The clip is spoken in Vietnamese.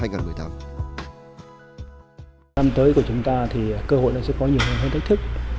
năm tới của chúng ta thì cơ hội này sẽ có nhiều hơn thách thức